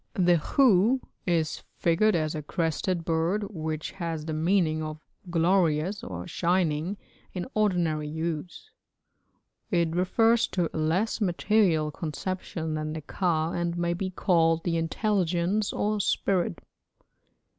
The khu is figured as a crested bird, which has the meaning of 'glorious' or 'shining' in ordinary use. It refers to a less material conception than the ka, and may be called the intelligence or spirit.